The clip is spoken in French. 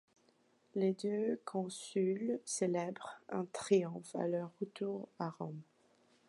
Les deux consuls célèbrent un triomphe à leur retour à Rome.